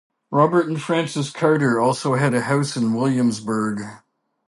Robert and Frances Carter also had a house in Williamsburg.